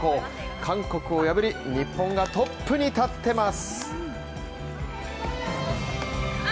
韓国を破り、日本がトップに立ってます。